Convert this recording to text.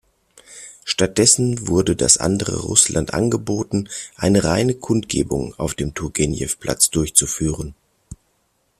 Stattdessen wurde "Das andere Russland" angeboten, eine reine Kundgebung auf dem Turgenjew-Platz durchzuführen.